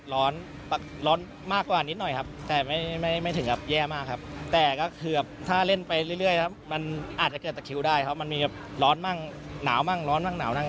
ร้อนมากหนาวมากร้อนมากหนาวมาก